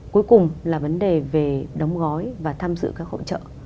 cuối cùng là vấn đề về đóng gói và tham dự các hội trợ